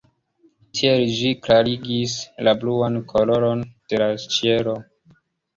Tiel ĝi klarigis la bluan koloron de la ĉielo.